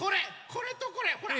これとこれほら！